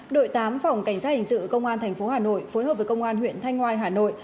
đội tám phòng cảnh sát hình sự công an tp hà nội phối hợp với công an huyện thanh ngoai hà nội